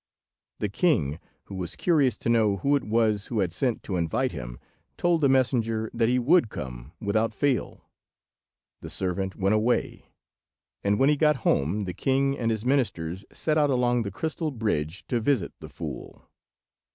The king, who was curious to know who it was who had sent to invite him, told the messenger that he would come without fail. The servant went away, and when he got home the king and his ministers set out along the crystal bridge to visit the fool.